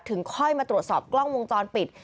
ค่อยมาตรวจสอบกล้องวงจรปิด